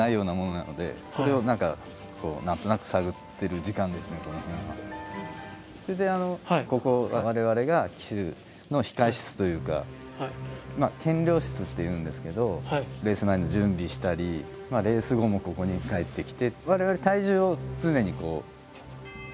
そうですね一応それでここは我々が騎手の控え室というか「検量室」っていうんですけどレース前の準備したりレース後もここに帰ってきて。